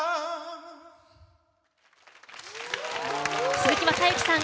鈴木雅之さん